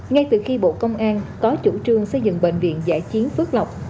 ngay từ khi bộ công an có chủ trương xây dựng bệnh viện giả chiến phước lộc